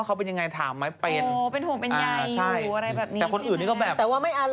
โอ้เป็นทวงอยู่ข้างใช่มั้ย